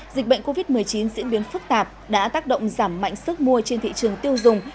dịch bệnh covid một mươi chín diễn biến phức tạp đã tác động giảm mạnh sức mua trên thị trường tiêu dùng